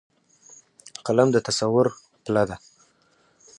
قلم د تصور پله ده